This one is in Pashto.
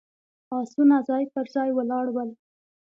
آسونه ځای پر ځای ولاړ ول.